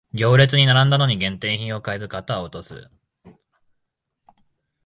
行列に並んだのに限定品を買えず肩を落とす